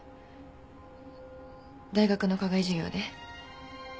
大学の課外授業で。